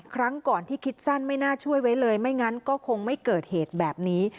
ครั้งก่อนที่คิดสั้นไม่น่าช่วยไว้เลยไม่งั้นก็คงไม่เกิดเหตุแบบนี้